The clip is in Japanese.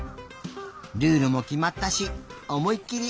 ルールもきまったしおもいきり